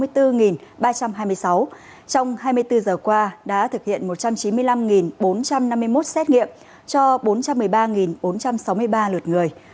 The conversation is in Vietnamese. trong hai mươi bốn giờ qua đã thực hiện một trăm chín mươi năm bốn trăm năm mươi một xét nghiệm cho bốn trăm một mươi ba bốn trăm sáu mươi ba lượt người